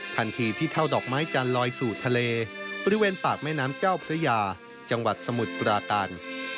ทันทีที่เท่าดอกไม้จันทร์ลอยสู่ทะเลบริเวณปากแม่น้ำเจ้าพระยาจังหวัดสมุทรปราการ